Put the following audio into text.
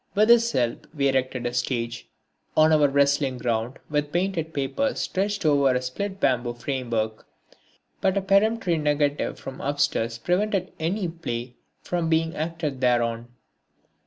With his help we erected a stage on our wrestling ground with painted paper stretched over a split bamboo framework. But a peremptory negative from upstairs prevented any play from being acted thereon.